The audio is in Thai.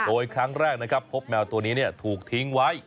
โดยครั้งแรกนะครับพบแมวตัวนี้ถูกทิ้งไว้